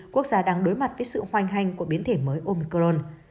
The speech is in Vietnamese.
quốc gia đang đối mặt với sự hoành hành của biến thể mới omicron